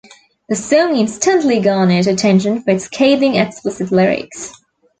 The song instantly garnered attention for its scathing, explicit lyrics.